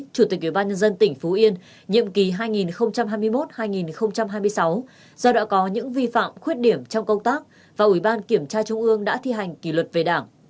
chủ tịch ủy ban nhân dân tỉnh phú yên nhiệm kỳ hai nghìn hai mươi một hai nghìn hai mươi sáu do đã có những vi phạm khuyết điểm trong công tác và ủy ban kiểm tra trung ương đã thi hành kỷ luật về đảng